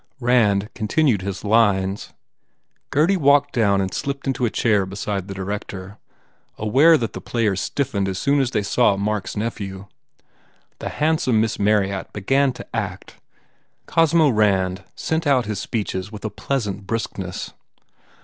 Rand continued his lines. Gurdy walked down and slipped into a chair beside the director, aware that the players stiffened as soon as they saw Mark s nephew. The handsome Miss Marryatt began to act. Cosmo Rand sent out his speeches with a pleasant briskness.